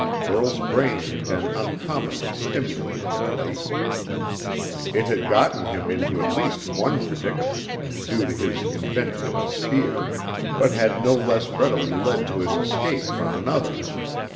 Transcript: Burl's brain had been uncommonly stimulated of late. It had gotten him into at least one predicament due to his invention of a spear but had no less readily led to his escape from another.